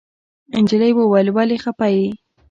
نجلۍ وويل ولې خپه يې.